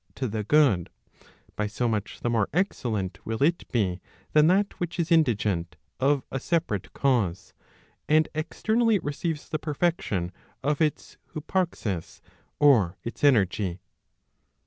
to the good], by so much the more excellent will it be than that which is indigent of a separate cause, and externally receives the perfection of its hyparxis, or its energy.